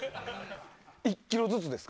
１ｋｇずつですか？